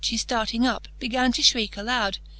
She flarting up, began to flirieke aloud.